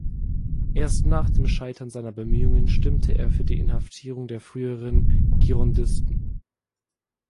Erst nach dem Scheitern seiner Bemühungen, stimmte er für die Inhaftierung der führenden Girondisten.